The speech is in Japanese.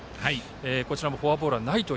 こちらもフォアボールはないと。